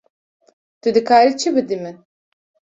Tu dikarî çi bidî min?